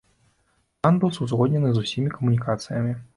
Пандус узгоднены з усімі камунікацыямі.